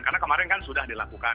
karena kemarin kan sudah dilakukan